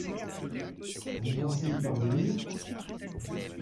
Vous pensez y parvenir?